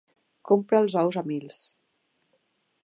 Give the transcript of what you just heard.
Compra els ous a mils.